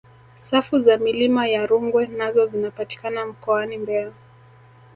safu za milima ya rungwe nazo zinapatikana mkoani mbeya